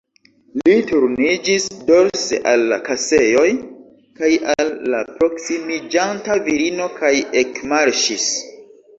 Li turniĝis dorse al la kasejoj kaj al la proksimiĝanta virino, kaj ekmarŝis.